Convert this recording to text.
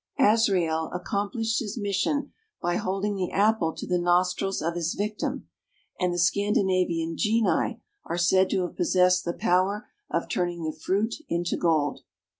Azrael accomplished his mission by holding the apple to the nostrils of his victims, and the Scandinavian genii are said to have possessed the power of turning the fruit into gold.